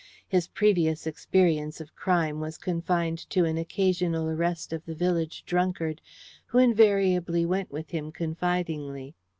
His previous experience of crime was confined to an occasional arrest of the village drunkard, who invariably went with him confidingly.